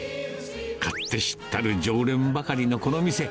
勝手知ったる常連ばかりのこの店。